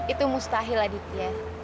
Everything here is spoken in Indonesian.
itu mustahil aditya